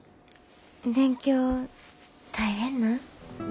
勉強大変なん？